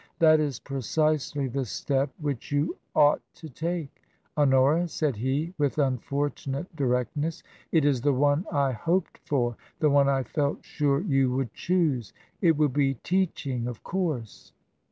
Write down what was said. " That is precisely the step which you aught to take, Honora," said he, with unfortunate directness. "It is the one I hoped for, the one I felt sure you would choose. It will be teaching, of course."